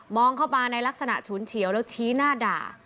เข้ามาในลักษณะฉุนเฉียวแล้วชี้หน้าด่า